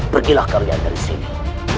pergilah kalian dari sini